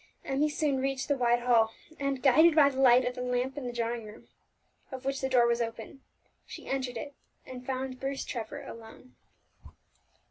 Emmie soon reached the wide hall, and, guided by the light of the lamp in the drawing room, of which the door was open, she entered it, and found Bruce Trevor alone.